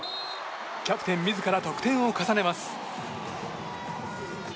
キャプテン自ら得点を重ねます。